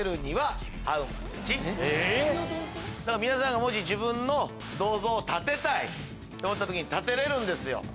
皆さんが自分の銅像を建てたいと思った時に建てれるんですよ。